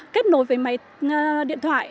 kết nối với máy điện thoại